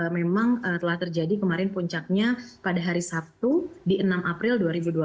memang telah terjadi kemarin puncaknya pada hari sabtu di enam april dua ribu dua puluh